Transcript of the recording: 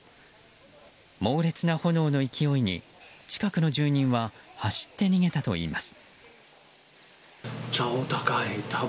猛烈な炎の勢いに、近くの住人は走って逃げたといいます。